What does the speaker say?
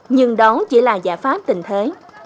nhưng đó chỉ là giả pháp tình thế